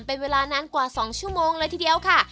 เป็นเวลานานกว่า๒ชั่วโมงเลยทีเดียวค่ะ